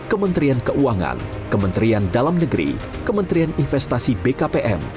kementerian keuangan kementerian dalam negeri kementerian investasi bkpm